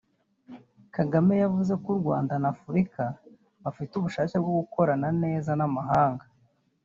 Kagame yavuze ko u Rwanda n’Afurika bafite ubushake bwo gukorana neza n’amahanga